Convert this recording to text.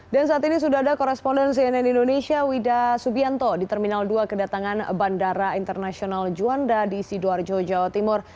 dan saat ini sudah ada koresponden cnn indonesia wida subianto di terminal dua kedatangan bandara internasional juanda di sidoarjo jawa timur